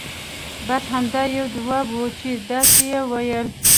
بس همدا یو ځواب وو چې داسې یې ویل.